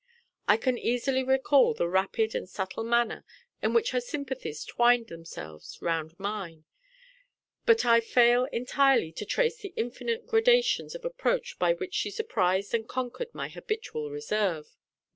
I can easily recall the rapid and subtle manner in which her sympathies twined themselves round mine; but I fail entirely to trace the infinite gradations of approach by which she surprised and conquered my habitual reserve.